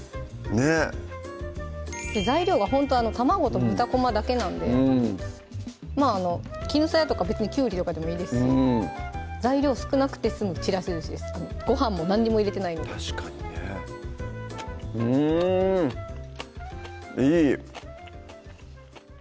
ねっ材料がほんと卵と豚こまだけなんできぬさやとか別にきゅうりとかでもいいですし材料少なくて済むちらしずしですご飯も何にも入れてないので確かにねうんいい！